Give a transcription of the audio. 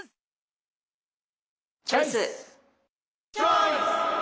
チョイス！